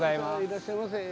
いらっしゃいませ。